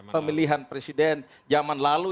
pemilihan presiden zaman lalu